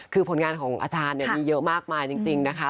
คือผลงานของอาจารย์เนี่ยมีเยอะมากมายจริงนะคะ